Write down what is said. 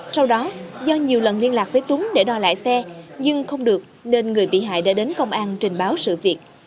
sau đó do nhiều lần liên lạc với túng để đòi lại xe nhưng không được nên người bị hại đã đến công an trình báo sự việc